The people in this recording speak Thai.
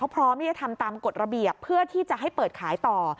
พร้อมที่จะทำตามกฎระเบียบเพื่อที่จะให้เปิดขายต่อ